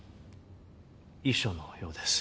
遺書のようです。